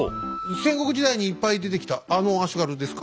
戦国時代にいっぱい出てきたあの足軽ですか？